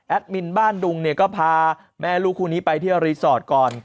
มินบ้านดุงเนี่ยก็พาแม่ลูกคู่นี้ไปเที่ยวรีสอร์ทก่อน